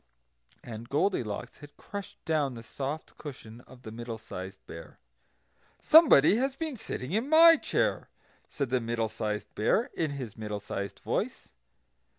And Goldilocks had crushed down the soft cushion of the Middle sized Bear. "SOMEBODY HAS BEEN SITTING IN MY CHAIR!" said the Middle sized Bear, in his middle sized voice.